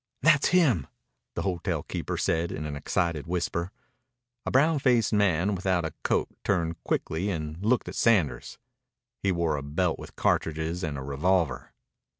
"That's him," the hotel keeper said in an excited whisper. A brown faced man without a coat turned quickly and looked at Sanders. He wore a belt with cartridges and a revolver.